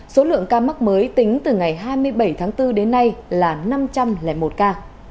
số lượng ca mắc mới tính từ ngày hai mươi bảy tháng bốn đến nay là năm trăm linh một ca